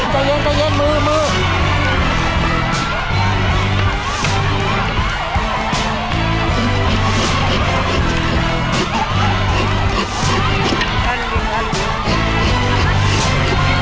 ใจเย็นมือ